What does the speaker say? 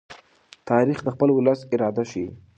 تاریخ د خپل ولس اراده ښيي.